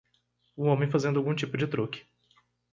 Um homem fazendo algum tipo de truque.